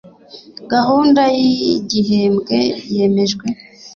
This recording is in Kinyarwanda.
gahunda y'igihembwe yemejwe